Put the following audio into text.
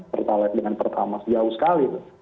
pertalite dengan pertamax jauh sekali